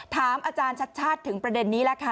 ถามอาจารย์ชัดถึงประเด็นนี้ล่ะค่ะ